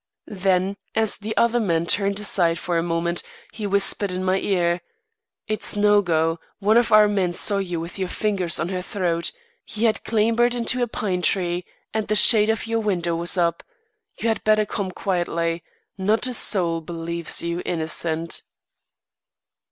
Then, as the other man turned aside for a moment, he whispered in my ear, "It's no go; one of our men saw you with your fingers on her throat. He had clambered into a pine tree and the shade of the window was up. You had better come quietly. Not a soul believes you innocent."